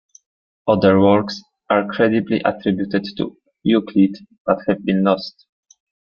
Other works are credibly attributed to Euclid, but have been lost.